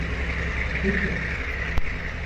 Biçin!